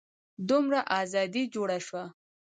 دومره ازادي جوړه شوه.